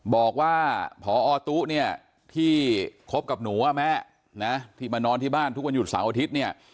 บอกว่าพอตุ๊เนี่ยที่คบกับหนูว่าแม่นะที่มานอนที่บ้านทุกวันหยุดเสาร์อาทิตย์เนี่ย